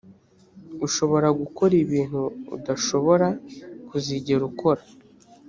ushobora gukora ibintu udashobora kuzigera ukora